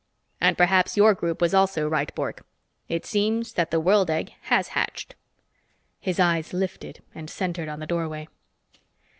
And perhaps your group was also right, Bork. It seems that the world egg has hatched." His eyes lifted and centered on the doorway.